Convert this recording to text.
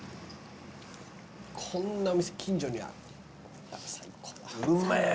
こんなお店近所にあったら。